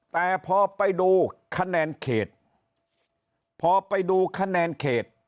แต่พอไปดูคะแนนเขตพอไปดูคะแนนเขต